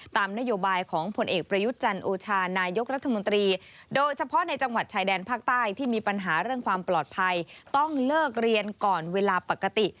ตามนโยบายของผลเอกประยุทธ์จันทร์โอชานายกรัฐมนตรีโดยเฉพาะในจังหวัดชายแดนภาคใต้ที่มีปัญหาเรื่องความปลอดภัยต้องเลิกเรียนก่อนเวลาปกติ